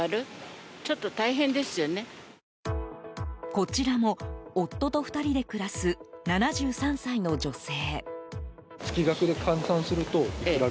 こちらも夫と２人で暮らす７３歳の女性。